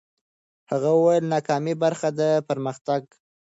هغه وویل، ناکامي برخه ده د پرمختګ.